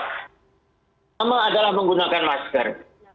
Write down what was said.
pertama adalah menggunakan masker